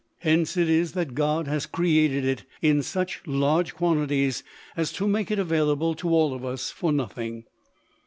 Hence it is that God has created it in such large quantities as to make it available to all of us for nothing.